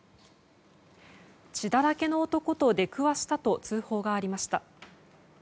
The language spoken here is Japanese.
血だらけの男と出くわしたと通報がありました。